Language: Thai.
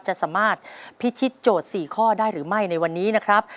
จะสามารถพิชิตโจทย์๔ข้อได้หรือไม่ในวันนี้นะครับ